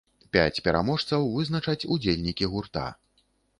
Пяць пераможцаў вызначаць удзельнікі гурта.